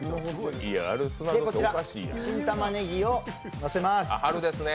こちら、新たまねぎをのせます。